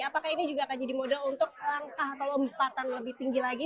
apakah ini juga akan jadi model untuk langkah atau lompatan lebih tinggi lagi